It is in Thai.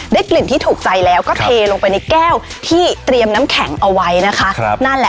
ได้กลิ่นที่ถูกใจแล้วก็เทลงไปในแก้วที่เตรียมน้ำแข็งเอาไว้นะคะ